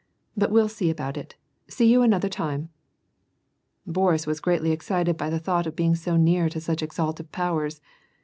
" But we'll see about it. See you another time !" Boris was greatly excited by the thought of being so near to such exalted powers.